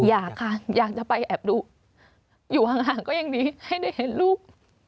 อยากค่ะอยากจะไปแอบดูอยู่ห่างก็ยังมีให้ได้เห็นลูก